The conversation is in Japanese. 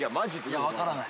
いやわからない。